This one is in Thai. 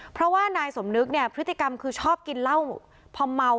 เพราะว่านายสมนึกเนี่ยพฤติกรรมคือชอบกินเหล้าพอเมา